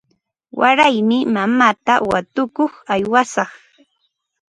Waraymi mamaata watukuq aywashaq.